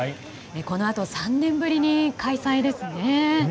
このあと３年ぶりに開催ですね。